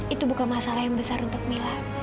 itu bukan masalah yang besar untuk mila